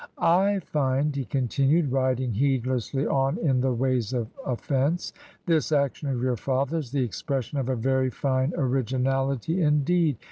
"I find," he continued, riding heedlessly on in the ways of offence, "this action of your father's the ex pression of a very fine originality indeed.